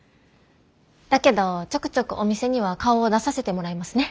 だけどちょくちょくお店には顔を出させてもらいますね。